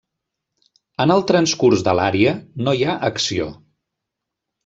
En el transcurs de l'ària no hi ha acció.